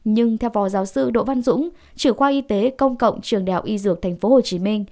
nhưng theo phó giáo sư đỗ văn dũng chủ khoa y tế công cộng trường đạo y dược tp hcm